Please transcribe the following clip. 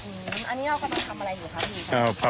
อันนี้เราก็ต้องทำอะไรอยู่ครับ